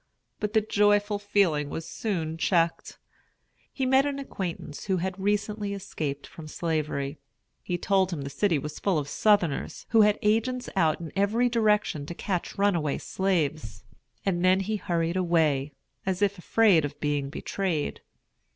But the joyful feeling was soon checked. He met an acquaintance who had recently escaped from Slavery. He told him the city was full of Southerners, who had agents out in every direction to catch runaway slaves; and then he hurried away, as if afraid of being betrayed.